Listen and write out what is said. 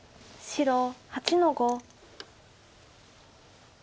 白８の五。